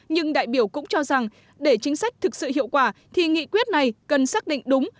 nhưng đại biểu cũng cho rằng để chính sách thực sự hiệu quả thì nghị quyết này cần xác định đúng